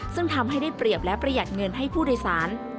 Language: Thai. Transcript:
ซึ่งทำให้ได้เปรียบและประหยัดเงินให้ผู้โดยสาร